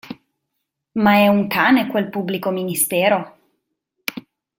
Ma è un cane quel pubblico ministero?